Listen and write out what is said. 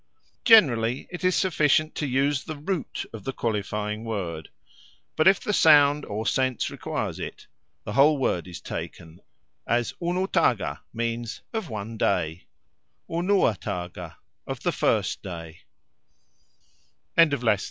Generally it is sufficient to use the "root" of the qualifying word, but if the sound or sense requires it, the whole word is taken, as "unutaga" means "of one day"; "unuataga", "of